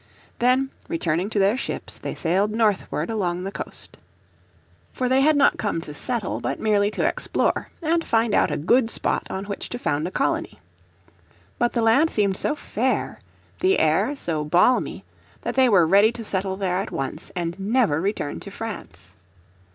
Then returning to their ships they sailed northward along the coast, For they had not come to settle, but merely to explore, and find out a good spot on which to found a colony. But the land seemed so fair, the air so balmy, that they were ready to settle there at once, and never return to France.